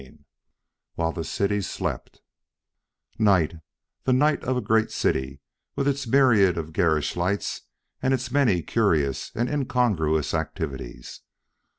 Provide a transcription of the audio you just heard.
IX WHILE THE CITY SLEPT Night the night of a great city with its myriad of garish lights and its many curious and incongruous activities.